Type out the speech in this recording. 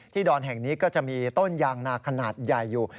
ดอนแห่งนี้ก็จะมีต้นยางนาขนาดใหญ่อยู่